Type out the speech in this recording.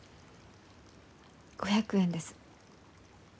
５００円です。